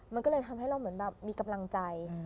มันก็เลยทำให้เราเหมือนแบบมีกำลังใจ